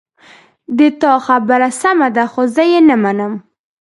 د تا خبره سمه ده خو زه یې نه منم